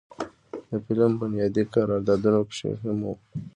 د فلم بنيادي کردارونو کښې هم